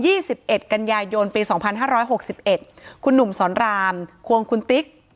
สิบเอ็ดกันยายนปีสองพันห้าร้อยหกสิบเอ็ดคุณหนุ่มสอนรามควงคุณติ๊ก